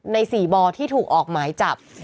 ใน๔บที่ถูกออกหมายจับ